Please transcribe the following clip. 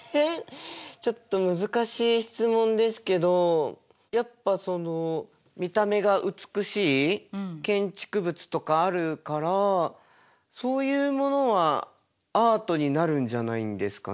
ちょっと難しい質問ですけどやっぱその見た目が美しい建築物とかあるからそういうものはアートになるんじゃないんですかね。